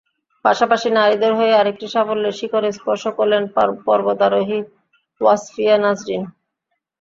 পাশাপাশি নারীদের হয়ে আরেকটি সাফল্যের শিখর স্পর্শ করলেন পর্বতারোহী ওয়াসফিয়া নাজরীন।